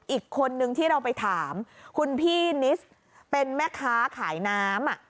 อีกคนนึงที่เราไปถามคุณพี่นิสเป็นแม่ค้าขายน้ำ